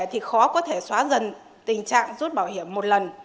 thì khó có thể xóa dần tình trạng rút bảo hiểm một lần